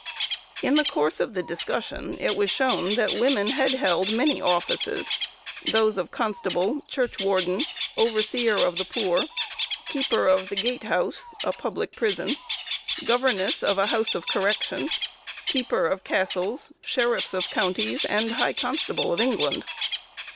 In the course of the discussion it was shown that women had held many offices, those of constable, church warden, overseer of the poor, keeper of the "gate house" (a public prison), governess of a house of correction, keeper of castles, sheriffs of counties, and high constable of England.